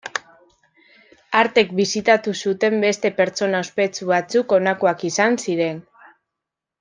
Artek bisitatu zuten beste pertsona ospetsu batzuk honakoak izan ziren.